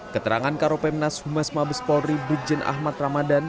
keterangan karopemnas humas mabes polri brigjen ahmad ramadan